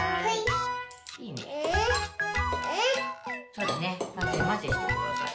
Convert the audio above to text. そうだねまぜまぜしてください。